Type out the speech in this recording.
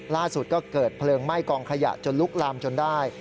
ล่าสุดก็เกิดเพลิงไหม้กองขยะจนลุกลามจนได้